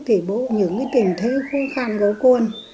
thì bố những tình thế khó khăn của con